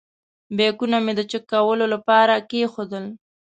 بیکونه مې د چېک کولو لپاره کېښودل.